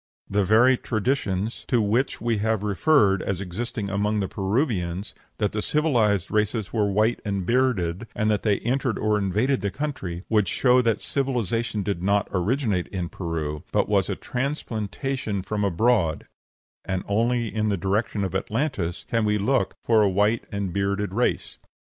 The very traditions to which we have referred as existing among the Peruvians, that the civilized race were white and bearded, and that they entered or invaded the country, would show that civilization did not originate in Peru, but was a transplantation from abroad, and only in the direction of Atlantis can we look for a white and bearded race.